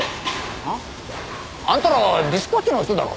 はあ？あんたらディスパッチの人だろ？